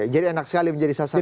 jadi enak sekali menjadi sasaran